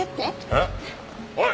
えっ？おい！